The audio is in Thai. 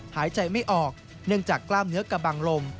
หายใจไม่ออกเนื่องจากกล้ามเนื้อกระบังลม